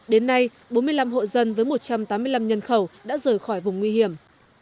đến nay bốn mươi năm hộ dân với một trăm tám mươi năm nhân khẩu đã rời khỏi vùng nguy hiểm